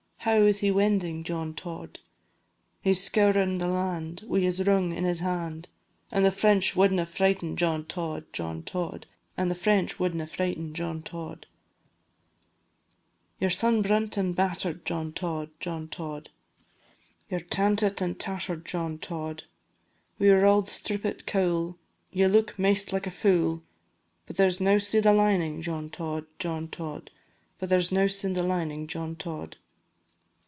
How is he wendin', John Tod? He 's scourin' the land, Wi' his rung in his hand, An' the French wadna frighten John Tod, John Tod, An' the French wadna frighten John Tod. Ye 're sun brunt and batter'd, John Tod, John Tod Ye 're tantit and tatter'd, John Tod; Wi' your auld strippit coul, Ye look maist like a fule, But there 's nouse i' the lining, John Tod, John Tod, But there 's nouse i' the lining, John Tod.